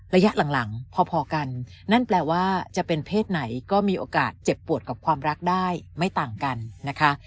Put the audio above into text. ระยะหลังพอกันนั่นแปลว่าจะเป็นเพศไหนก็มีโอกาสเจ็บปวดกับความรักได้ไม่ต่างกันนะคะ